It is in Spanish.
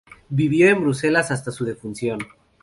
Vivió en Bruselas hasta su defunción.